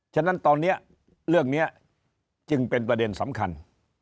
ฉะนั้นตอนนี้เรื่องนี้จึงเป็นประเด็นสำคัญ